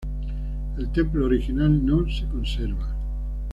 El templo original no se conserva.